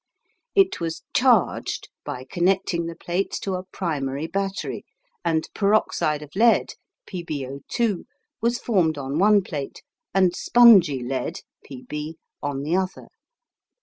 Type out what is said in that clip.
It was "charged" by connecting the plates to a primary battery, and peroxide of lead (PbO2) was formed on one plate and spongy lead (Pb) on the other.